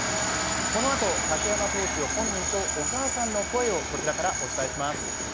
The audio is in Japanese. このあと竹山投手本人とお母さまの声をこちらからお伝えします。